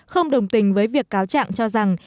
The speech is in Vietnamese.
không đồng tình với việc cáo trạng cho rằng